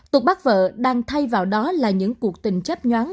tục bắt vợ đang thay vào đó là những cuộc tình chấp nhoáng